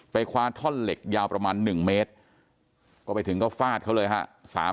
คว้าท่อนเหล็กยาวประมาณ๑เมตรก็ไปถึงก็ฟาดเขาเลยฮะ